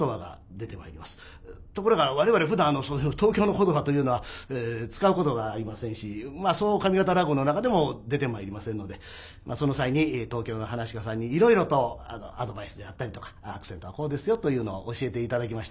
ところが我々ふだん東京の言葉というのは使うことがありませんしそう上方落語の中でも出てまいりませんのでその際に東京の噺家さんにいろいろとアドバイスであったりとかアクセントはこうですよというのを教えて頂きました。